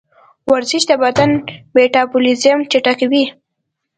ورزش د بدن میتابولیزم چټکوي.